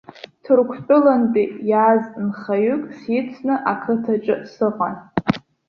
Ҭырқәтәылантәи иааз нхаҩык сицны ақыҭаҿы сыҟан.